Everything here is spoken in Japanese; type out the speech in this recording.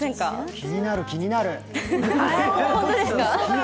気になる、気になる。